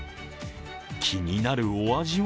気になるお味は？